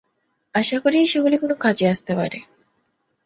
আশা করি সেগুলি কোন কাজে আসতে পারে।